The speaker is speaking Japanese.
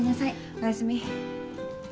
おやすみ。